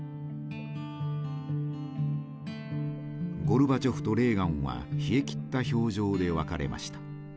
ゴルバチョフとレーガンは冷えきった表情で別れました。